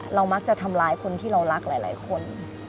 เรามักจะทำร้ายคนที่เรารักหลายคน